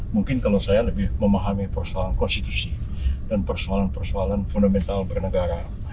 mungkin kalau saya lebih memahami persoalan konstitusi dan persoalan persoalan fundamental bernegara